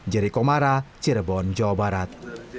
jerry komara cirebon jawa barat